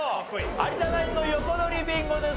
有田ナインの横取りビンゴです。